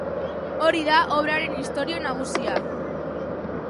Hori da obraren istorio nagusia.